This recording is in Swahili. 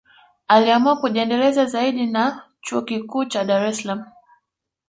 Aliamua kujiendeleza zaidi na chuo Kikuu cha Dar es Salaam